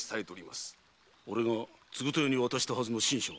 俺が継豊に渡したはずの親書は？